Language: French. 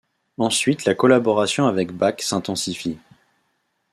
Ensuite la collaboration avec Bach s'intensifie.